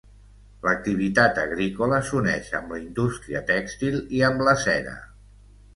L'activitat agrícola s'uneix amb la indústria tèxtil i amb la cera.